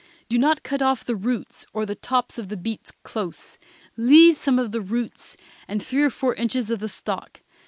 Do not cut off the roots or the tops of the beets close; leave some of the roots and three or four inches of the stalk.